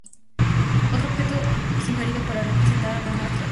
Otro objeto sugerido para representar el Gran Atractor.